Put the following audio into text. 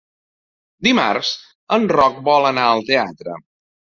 Dimarts en Roc vol anar al teatre.